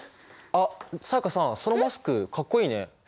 あっ才加さんそのマスクかっこいいね。